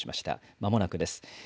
まもなくです。